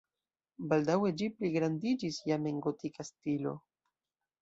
Baldaŭe ĝi pligrandiĝis jam en gotika stilo.